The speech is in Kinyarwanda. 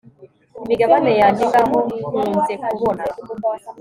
Imigabane yanjye ngaho nkunze kuboha